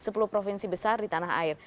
sepuluh provinsi besar di tanah air